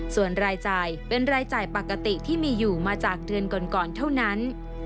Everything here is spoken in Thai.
ส่วนรายจ่ายเป็นรายจ่ายปกติที่มีอยู่มาจากเดือนก่อนเท่านั้น